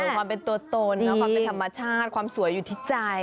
ความเป็นตัวตนความเป็นธรรมชาติความสวยอยู่ที่ใจ